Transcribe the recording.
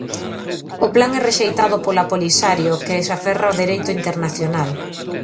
O plan é rexeitado pola Polisario, que se aferra ao dereito internacional.